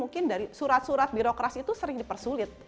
mungkin syarat syarat birokras itu sering di tersulit